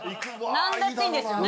何だっていいんですよね？